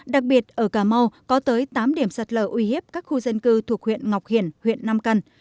đặc biệt ở cà mau có tới tám điểm sạt lở uy hiếp các khu dân cư thuộc huyện ngọc hiển huyện nam căn